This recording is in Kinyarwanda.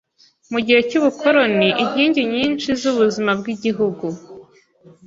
Mu gihe cy’ubukoloni, inkingi nyinshi z’ubuzima bw’Igihugu